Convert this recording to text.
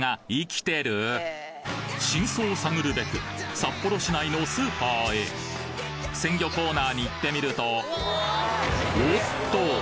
真相を探るべく札幌市内のスーパーへ鮮魚コーナーに行ってみるとおっと！！